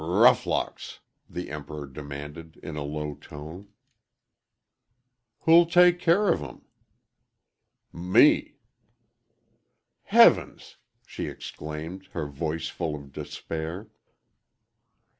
"R roughlocks!" the Emperor demanded, in a low tone. "Who'll tek care of 'em?" "M me." "Heavens!" she exclaimed, her voice full of despair.